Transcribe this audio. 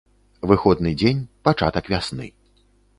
Выходны дзень, пачатак вясны.